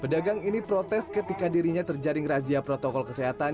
pedagang ini protes ketika dirinya terjaring razia protokol kesehatan